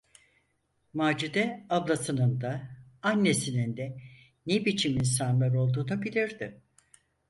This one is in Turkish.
Macide ablasının da, annesinin de ne biçim insanlar olduğunu bilirdi.